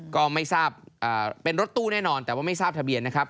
ก็ไม่ทราบเป็นรถตู้แน่นอนแต่ว่าไม่ทราบทะเบียนนะครับ